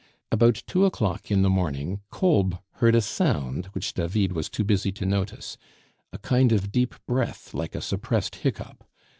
About two o'clock in the morning, Kolb heard a sound which David was too busy to notice, a kind of deep breath like a suppressed hiccough.